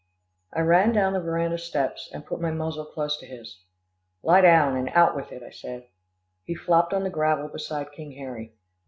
I ran down the veranda steps, and put my muzzle close to his. "Lie down, and out with it," I said. He flopped on the gravel beside King Harry.